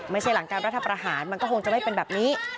ไม่ใช่หลังการรัฐประหารมันก็คงจะไม่เป็นแบบนี้